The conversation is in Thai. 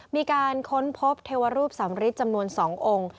มีการค้นพบเทวรูปสำริทจำนวน๒องค์